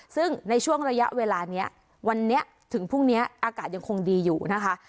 ซึ่งในช่วงระยะเวลานี้วันนี้ถึงพรุ่งนี้อากาศยังคงดีอยู่นะคะ